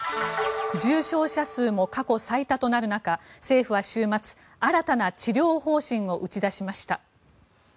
重症者数も過去最多となる中政府は週末新たな治療方針を打ち出しました。